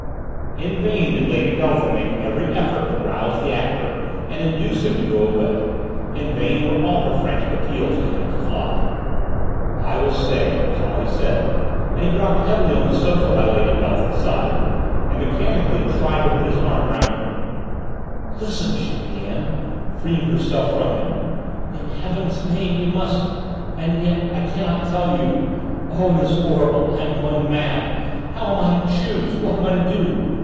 In vain did Lady Beltham make every effort to rouse the actor and induce him to go away; in vain were all her frantic appeals to him to fly. "I will stay," was all he said, and he dropped heavily on the sofa by Lady Beltham's side, and mechanically tried to put his arm round her. "Listen!" she began, freeing herself from him: "in heavens name you must And yet, I cannot tell you! Oh, it is horrible! I am going mad! How am I to choose! What am I to do!